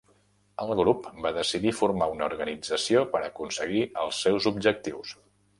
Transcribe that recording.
El grup va decidir formar una organització per aconseguir els seus objectius.